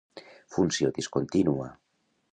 Funció discontínua